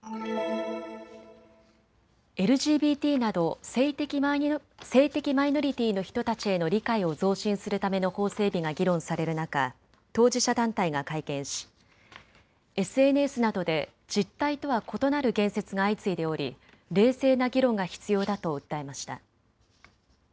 ＬＧＢＴなど性的マイノリティーの人たちへの理解を増進するための法整備が議論される中、当事者団体が会見しＳＮＳなどで実態とは異なる言説が相次いでおり冷静な議論が必要だと訴えました。